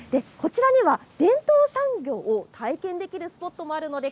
こちらには伝統産業を体験できるスポットもあります。